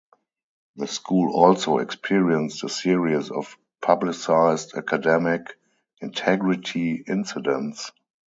The school also experienced a series of publicized academic integrity incidents.